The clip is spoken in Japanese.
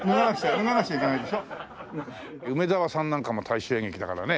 梅沢さんなんかも大衆演劇だからね。